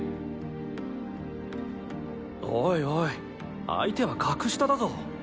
おいおい相手は格下だぞ。